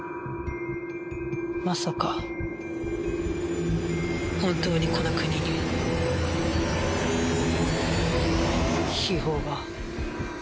まさか本当にこの国に秘宝が？